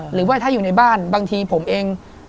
หรือว่าถ้าอยู่ในบ้านบางทีผมเอง